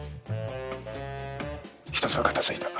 １つは片づいた。